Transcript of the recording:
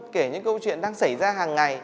kể những câu chuyện đang xảy ra hàng ngày